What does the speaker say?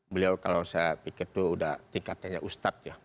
beliau kalau saya pikir itu sudah tingkatnya ustadz ya